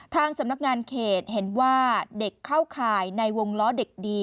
ทางสำนักงานเขตเห็นว่าเด็กเข้าข่ายในวงล้อเด็กดี